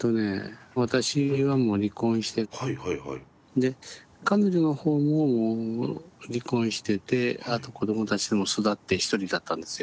私はもう離婚してで彼女の方も離婚しててあと子どもたちも巣立って独りだったんですよ。